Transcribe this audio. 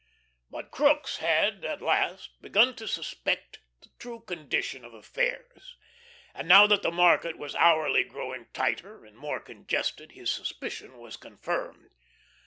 But Crookes had, at last, begun to suspect the true condition of affairs, and now that the market was hourly growing tighter and more congested, his suspicion was confirmed.